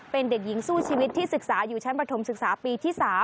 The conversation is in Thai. เป็นเด็กหญิงสู้ชีวิตที่ศึกษาอยู่ชั้นประถมศึกษาปีที่๓